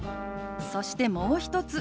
そしてもう一つ。